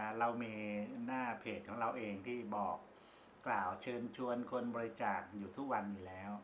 เรามีหน้าเพจของเราเองที่บอกกล่าวเชิญชวนคนบริจาคอยู่ทุกวันนี้แล้ว